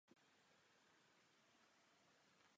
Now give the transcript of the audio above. Jedná se o jedno z nejbohatších předměstí Seattlu.